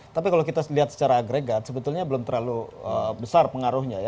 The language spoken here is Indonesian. tapi kalau kita lihat secara agregat sebetulnya belum terlalu besar pengaruhnya ya